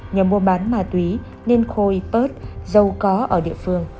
nhờ mua bán ma túy nên khôi pớt dâu có ở địa phương